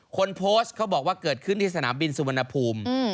คนโพสต์เขาบอกว่าเกิดขึ้นที่สนามบินสุวรรณภูมิ